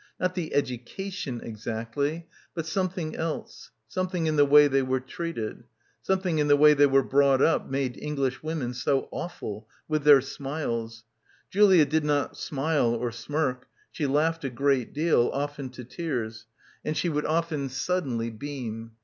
Not the 'edu cation' exactly, but something else, something in the way they were treated. Something in the way they were brought up made Englishwomen so awful — with their smiles. Julia did not smile or smirk. She laughed a great deal, often to tears. And she would often suddenly beam.